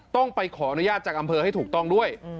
ต้องไปขออนุญาตจากอำเภอให้ถูกต้องด้วย